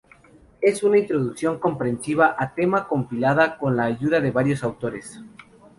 Es una introducción comprensiva a tema compilada con la ayuda de varios autores.